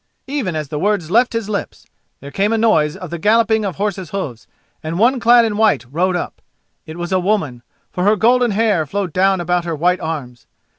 Even as the words left his lips there came a noise of the galloping of horse's hoofs, and one clad in white rode up. It was a woman, for her golden hair flowed down about her white arms.